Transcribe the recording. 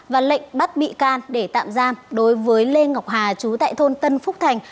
và lệnh bắt bị can để tạm giam đối với lê ngọc hà chú tại thôn tân phúc thành